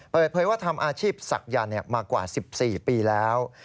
เปิดเผยว่าทำอาชีพศักยันต์มากว่า๑๔ปีแล้ว